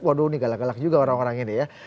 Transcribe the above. waduh ini galak galak juga orang orang ini ya